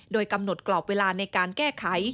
โดยกำหนดกรอบเวลาในการแก้ไข